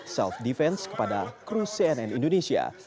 self defense kepada kru cnn indonesia